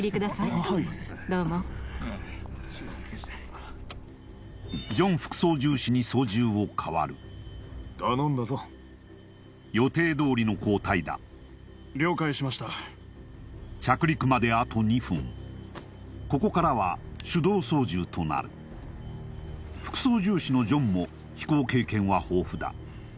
ああはいどうもジョン副操縦士に操縦をかわる頼んだぞ予定どおりの交代だ了解しました着陸まであと２分ここからは手動操縦となる副操縦士のジョンも飛行経験は豊富だ